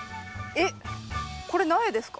えっこれ苗ですか？